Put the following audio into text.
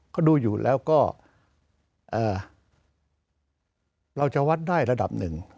ก็ดูอยู่แล้วก็เราจะวัดได้ระดับหนึ่ง